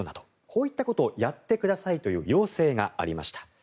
こういったことをやってくださいという要請がありました。